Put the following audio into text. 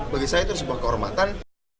bagi saya itu sebuah kehormatan